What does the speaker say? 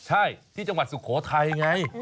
ใช่ที่จังหวัดสุโขทัยไง